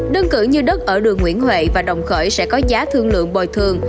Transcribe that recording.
đơn cử như đất ở đường nguyễn huệ và đồng khởi sẽ có giá thương lượng bồi thường